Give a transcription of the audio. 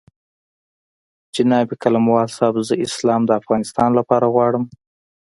جناب قلموال صاحب زه اسلام د افغانستان لپاره غواړم.